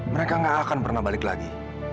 mereka gak akan pernah balik lagi